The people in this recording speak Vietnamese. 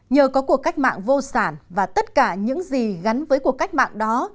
nhờ có cuộc cách mạng vô sản và tất cả những gì gắn với cuộc cách mạng đó